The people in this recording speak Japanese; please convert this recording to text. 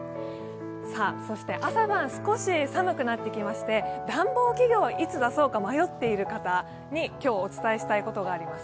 そして朝晩、少し寒くなってきまして暖房器具をいつ出そうか迷っている方に今日お伝えしたいことがあります。